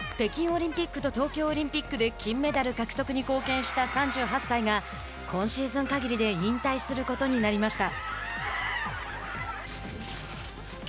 北京オリンピックと東京オリンピックで金メダル獲得に貢献した３８歳が今シーズンかぎりで引退することになりました。